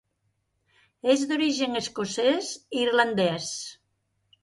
És d'origen escocès i irlandès.